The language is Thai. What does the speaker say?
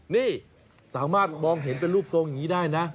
นี่สามารถมองเห็นเป็นรูปทรงอย่างนี้ได้นะ